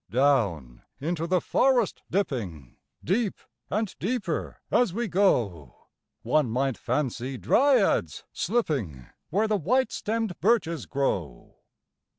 Down into the forest dipping, . Deep and deeper as we go, One might fancy dryads slipping Where the white stemmed birches grow.